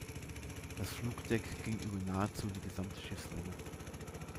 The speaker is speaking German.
Das Flugdeck ging über nahezu die gesamte Schiffslänge.